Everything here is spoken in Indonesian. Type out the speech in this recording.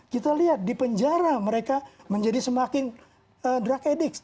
kita lihat di penjara mereka menjadi semakin drug addict